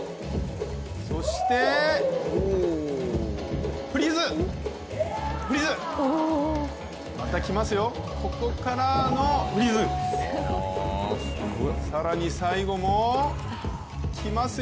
そしてフリーズ、フリーズまたきますよ、ここからのフリーズ更に最後もきますよ！